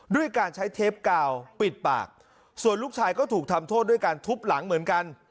ด้วยการใช้เทปกาวปิดปากส่วนลูกชายก็ถูกทำโทษด้วยการทุบหลังเหมือนกัน